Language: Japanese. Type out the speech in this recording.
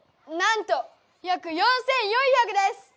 なんと約４，４００です！